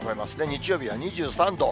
日曜日は２３度。